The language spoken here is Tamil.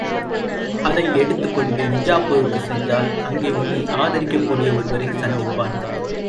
அதையெடுத்துக் கொண்டு நிஜாப்பூருக்குச் சென்றால், அங்கே உன்னை ஆதரிக்கக்கூடிய ஒருவரைச் சந்திப்பாய்.